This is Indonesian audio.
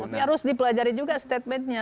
tapi harus dipelajari juga statementnya